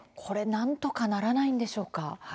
これ、なんとかならないんでしょうか？